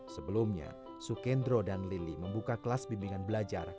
sebelumnya sukendro dan lili membuka kelas bimbingan belajar